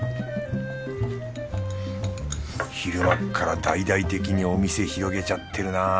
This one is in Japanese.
昼間っから大々的にお店広げちゃってるな